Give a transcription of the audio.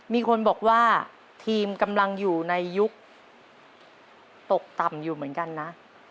มีคนบอกว่าทีมกำลังอยู่ในยุคตกต่ำอยู่เหมือนกันนะ